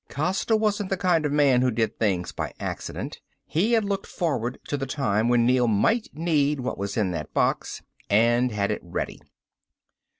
Costa wasn't the kind of man who did things by accident. He had looked forward to the time when Neel might need what was in this box, and had it ready.